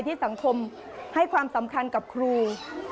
สังคมให้ความสำคัญกับครู